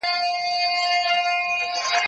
زه بايد درسونه لوستل کړم!.